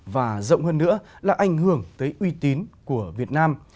và rộng hơn nữa là ảnh hưởng tới uy tín của việt nam